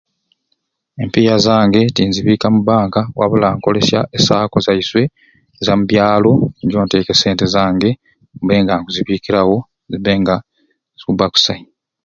Empiiya zange tinzibiika mu banka wabula nkolesya e SACCO zaiswe eza mu byalo nijjo nteeka e sente zange mbe nga nkuzibiikirawo zibbe nga zikubba kusai.